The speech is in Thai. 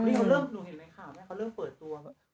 นี่เค้าเริ่มนายเห็นไหมข่าวไหมเค้าเริ่มเปิดตัว